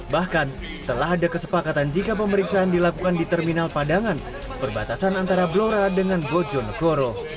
bahkan telah ada kesepakatan jika pemeriksaan dilakukan di terminal padangan perbatasan antara blora dengan bojonegoro